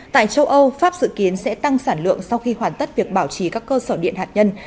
tại châu âu pháp dự kiến sẽ tăng sản lượng sau khi hoàn tất việc bảo trì các cơ sở điện hạt nhân